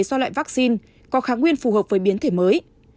do loại vaccine có kháng nguyên phù hợp với biến thể mới